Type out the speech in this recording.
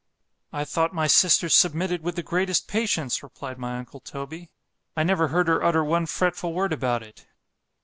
I thought my sister submitted with the greatest patience, replied my uncle Toby——I never heard her utter one fretful word about it.